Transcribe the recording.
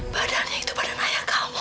badannya itu badan ayah kamu